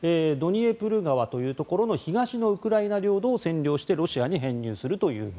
ドニエプル川というところの東の領土を占領してロシアに編入すると。